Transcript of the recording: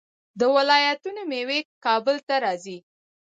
د ولایتونو میوې کابل ته راځي.